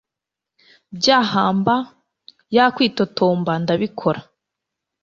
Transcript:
Bya Humber yakwitotomba Ndabikora